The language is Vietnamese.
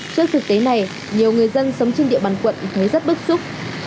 trước thực tế này nhiều người dân sống trên địa bàn quận thấy rất bức xúc